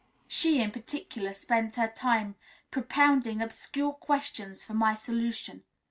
she, in particular, spends her time propounding obscure questions for my solution.